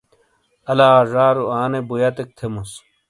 الا زارو آنے بُویَتیک تھیموس۔